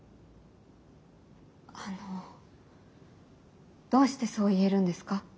あのどうしてそう言えるんですか？